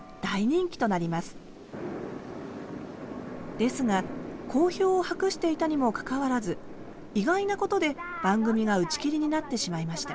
ですが好評を博していたにもかかわらず意外なことで番組が打ち切りになってしまいました。